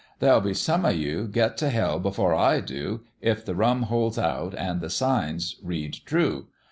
'There'll be some o' you get t 1 hell before I do if the rum holds out an' the signs read true.